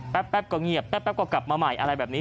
แป๊บก็เงียบแป๊บก็กลับมาใหม่อะไรแบบนี้